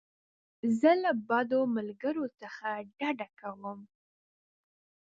زه له بدو ملګرو څخه ډډه کوم.